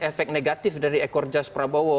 efek negatif dari ekor jas prabowo